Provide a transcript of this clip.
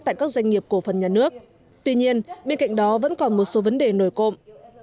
tại các doanh nghiệp cổ phần nhà nước tuy nhiên bên cạnh đó vẫn còn một số vấn đề nổi cộng